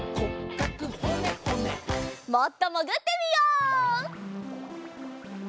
もっともぐってみよう！